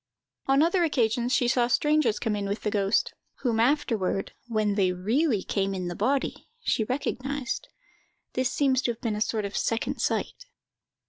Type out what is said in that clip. On other occasions she saw strangers come in with the ghost, whom afterward, when they really came in the body, she recognised. This seems to have been a sort of second sight.